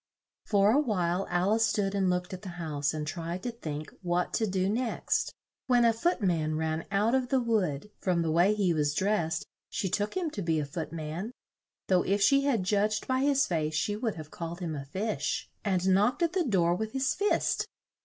For a while Al ice stood and looked at the house and tried to think what to do next, when a foot man ran out of the wood (from the way he was dressed, she took him to be a foot man; though if she had judged by his face she would have called him a fish) and knocked at the door with his fist.